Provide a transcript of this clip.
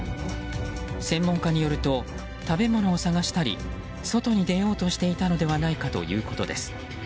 専門家によると食べ物を探したり外に出ようとしていたのではないかということです。